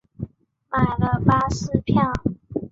买了巴士票